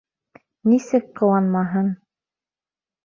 Нисек ҡыуанмаһын!